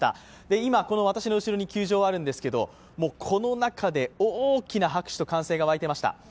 今、この私の後ろに球場があるんですけどこの中で大きな拍手と歓声が沸いていました。